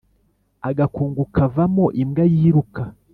Agakungu kavamo imbwa yiruka.